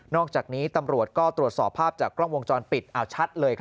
อกจากนี้ตำรวจก็ตรวจสอบภาพจากกล้องวงจรปิดเอาชัดเลย